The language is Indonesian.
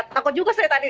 takut juga saya tadi